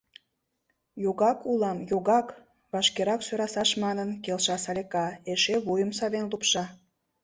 — Йогак улам, йогак, — вашкерак сӧрасаш манын, келша Салика, эше вуйым савен лупша.